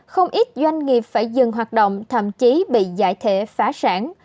không ít doanh nghiệp phải dừng hoạt động thậm chí bị giải thể phá sản